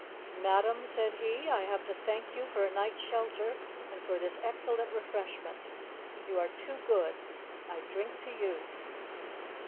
"Madam," said he, "I have to thank you for a night's shelter and for this excellent refreshment. You are too good. I drink to you."